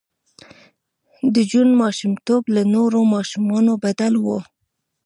د جون ماشومتوب له نورو ماشومانو بدل و